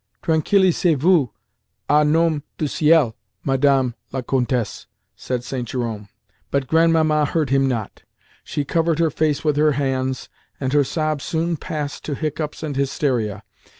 "Tranquillisez vous au nom du ciel, Madame la Comtesse," said St. Jerome, but Grandmamma heard him not. She covered her face with her hands, and her sobs soon passed to hiccups and hysteria.